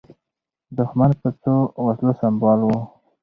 دښمن په څه وسلو سمبال و؟